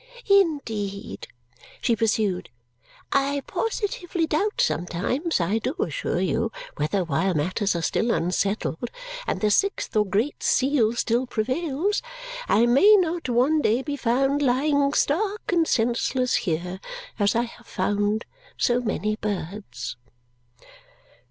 "Indeed," she pursued, "I positively doubt sometimes, I do assure you, whether while matters are still unsettled, and the sixth or Great Seal still prevails, I may not one day be found lying stark and senseless here, as I have found so many birds!"